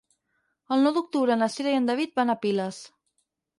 El nou d'octubre na Cira i en David van a Piles.